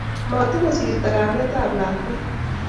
matuku sirto kametab lakwet